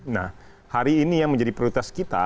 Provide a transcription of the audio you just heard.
nah hari ini yang menjadi prioritas kita